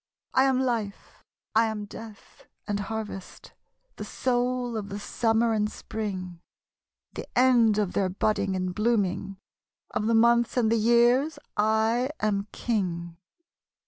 I am Life, I am Death, and Harvest, The Soul of the Summer and Sprmg, The end of their budding and blooming, Of the Months and the Years 1 am King.